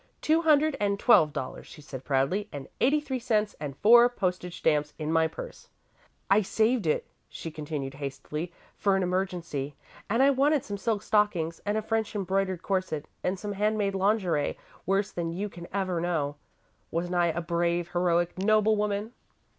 "Two hundred and twelve dollars," she said, proudly, "and eighty three cents and four postage stamps in my purse. "I saved it," she continued, hastily, "for an emergency, and I wanted some silk stockings and a French embroidered corset and some handmade lingerie worse than you can ever know. Wasn't I a brave, heroic, noble woman?"